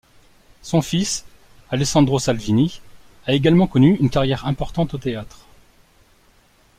Son fils Alessandro Salvini a également connu une carrière importante au théâtre.